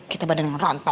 kita badan merontok